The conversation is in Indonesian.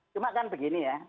cuma kan begini ya